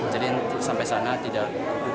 jadi sampai sana tidak